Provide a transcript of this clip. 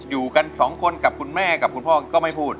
อยู่กันสองคนกับคุณแม่กับคุณพ่อก็ไม่พูด